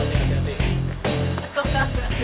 ya terima kasih ya